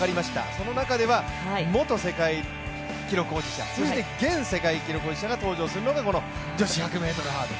その中では元世界記録保持者、そして現世界記録保持者が登場するのがこの女子１００ｍハードル。